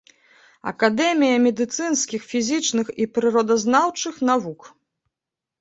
Акадэмія медыцынскіх, фізічных і прыродазнаўчых навук.